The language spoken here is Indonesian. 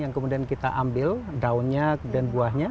yang kemudian kita ambil daunnya kemudian buahnya